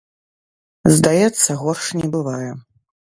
Здаецца, горш не бывае.